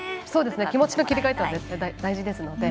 気持ちの切り替えって絶対大事ですので。